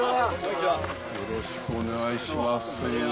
よろしくお願いします。